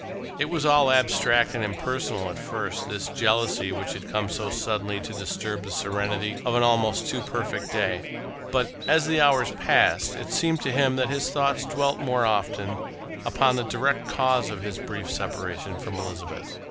It was all abstract and impersonal at first, this jealousy which had come so suddenly to disturb the serenity of an almost too perfect day, but as the hours passed it seemed to him that his thoughts dwelt more often upon the direct cause of his brief separation from Elizabeth.